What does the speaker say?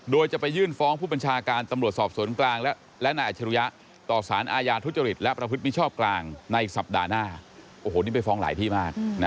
โดยจะไปยื่นฟ้องผู้บัญชาการตำรวจสอบสวนกลางและนายอัจฉริยะ